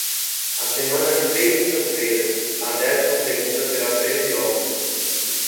A semana de três quintas-feiras, a décima segunda terá treze ovos.